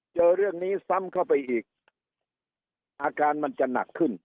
เจอเรื่องนี้ซ้ำเข้าไปอีกอาการมันจะหนักขึ้น